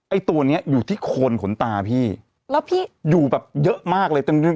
ไอ้ตัวเนี้ยอยู่ที่โคนขนตาพี่แล้วพี่อยู่แบบเยอะมากเลยจน